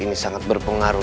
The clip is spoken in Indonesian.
ini sangat berpengaruh